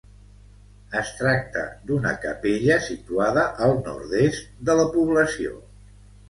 Es tracta d'una capella situada al nord-est de la població.